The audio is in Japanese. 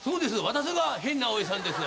私が変なおじさんです。